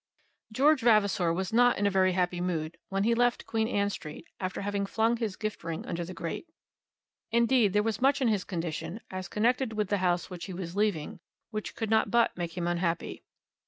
George Vavasor was not in a very happy mood when he left Queen Anne Street, after having flung his gift ring under the grate. Indeed there was much in his condition, as connected with the house which he was leaving, which could not but make him unhappy.